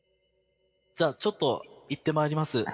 じゃあちょっと行ってまいります。すいません。